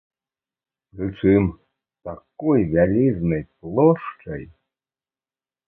Прычым такой вялізнай плошчай.